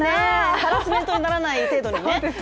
ハラスメントにならない程度にね。